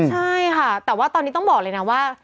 ใช่ค่ะแต่ว่าตอนนี้ต้องบอกเลยนะว่า